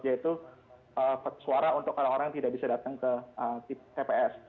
yaitu suara untuk orang orang yang tidak bisa datang ke tps